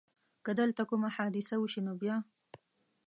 که دلته کومه حادثه وشي نو بیا؟